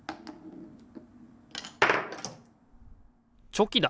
チョキだ！